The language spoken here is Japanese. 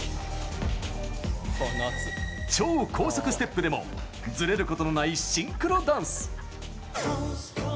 超高速ステップでもズレることのないシンクロダンス。